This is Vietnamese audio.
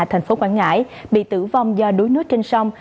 thành phố quảng ngãi bị tử vong do đuối nước trên sông